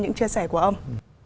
những chia sẻ của ông